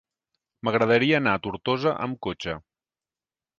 M'agradaria anar a Tortosa amb cotxe.